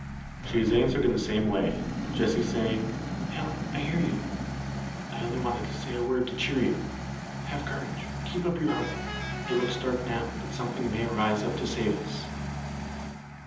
She is answered in the same way, Jessie saying, "Helen, I hear you." "I only wanted to say a word to cheer you. Have courage. Keep up your heart. It looks dark now; but something may may arise up to save us."